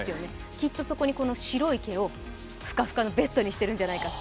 きっとそこに白い毛をふかふかのベッドにしてるんじゃないか。